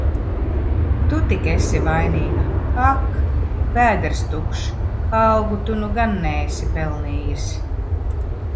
Tu tik esi vainīga! Ak! Vēders tukšs! Algu tu nu gan neesi pelnījis.